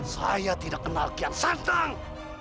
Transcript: saya tidak kenal kian santang